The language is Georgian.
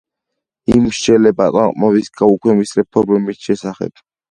იმ სჯელე ბატონყომობის გაუქმების რეფორმების სესახებ